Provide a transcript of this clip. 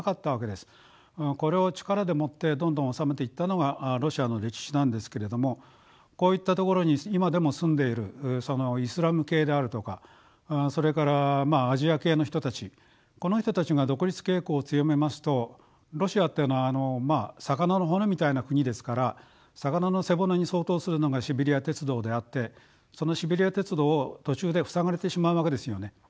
これを力でもってどんどん治めていったのがロシアの歴史なんですけれどもこういった所に今でも住んでいるイスラム系であるとかそれからまあアジア系の人たちこの人たちが独立傾向を強めますとロシアっていうのは魚の骨みたいな国ですから魚の背骨に相当するのがシベリア鉄道であってそのシベリア鉄道を途中で塞がれてしまうわけですよね。